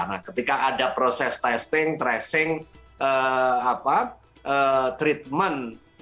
nah ketika ada proses testing tracing treatment